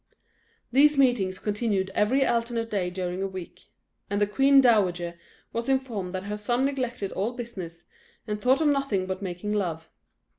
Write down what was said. These meetings continued every alternate day during a week; and the queen dowager was informed that her son neglected all business, and thought of nothing but making love.